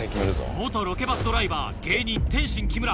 元ロケバスドライバー芸人天津・木村